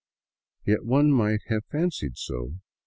Yet one might have fancied so.